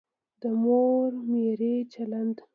د مور میرې چلند.